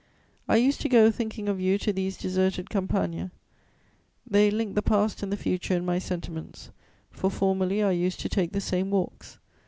I used to go thinking of you to these deserted campagne; they linked the past and the future in my sentiments, for formerly I used to take the same walks.